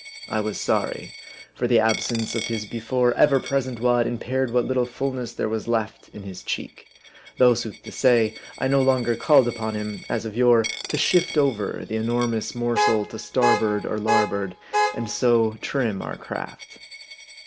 I was sorry ; for the absence of his before ever present wad impaired what little fullness there was left in his cheek ; though, sooth to say, I no longer called upon him as of yore to shift over the enormous morsel to starboard or larboard, and so trim our craft.